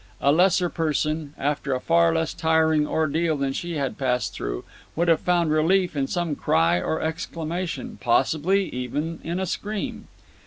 A lesser person, after a far less tiring ordeal than she had passed through, would have found relief in some cry or exclamation—possibly even in a scream.